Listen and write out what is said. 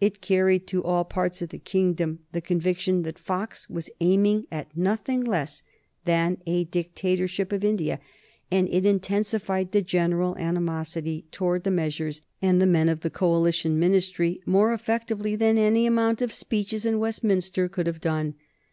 It carried to all parts of the kingdom the conviction that Fox was aiming at nothing less than a dictatorship of India, and it intensified the general animosity towards the measures and the men of the Coalition Ministry more effectively than any amount of speeches in Westminster could have done.